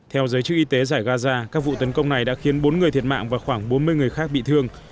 theo giới chức y tế giải gaza các vụ tấn công này đã khiến bốn người thiệt mạng và khoảng bốn mươi người khác bị thương